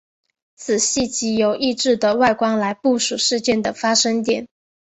此系藉由异质的外观来部署事件的发生点。